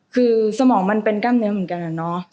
คือสมองมันเป็นกล้ามเนื้อเหมือนกันอะเนาะ